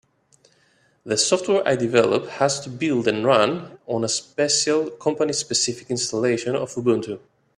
The software I develop has to build and run on a special company-specific installation of Ubuntu.